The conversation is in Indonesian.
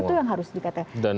itu yang harus dikatakan